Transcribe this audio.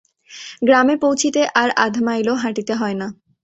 গ্রামে পৌছিতে আর আধ মাইলও হাটিতে হয় না।